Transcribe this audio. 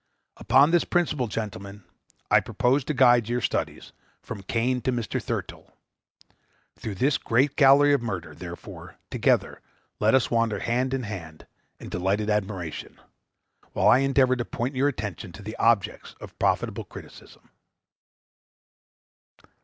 Upon this principle, gentlemen, I propose to guide your studies, from Cain to Mr. Thurtell. Through this great gallery of murder, therefore, together let us wander hand in hand, in delighted admiration, while I endeavor to point your attention to the objects of profitable criticism.